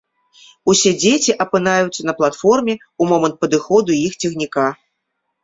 Усе дзеці апынаюцца на платформе ў момант падыходу іх цягніка.